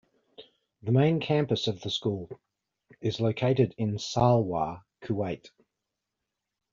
The main campus of the school is located in Salwa, Kuwait.